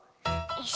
よし。